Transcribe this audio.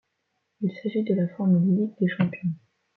Il s'agit de la formule ligue des champions.